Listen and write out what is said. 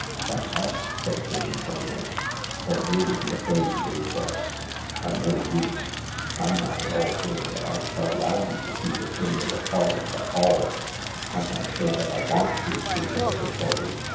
" Shut up !" said Jane firmly, " or you'll be afraid to go to bed. I laiow you ! I'm not at all sure that I shall allow you to see the Chamber of Horrors at all." " I'm not sure that I want to," Lucilla retorted.